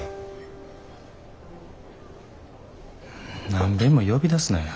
何べんも呼び出すなや。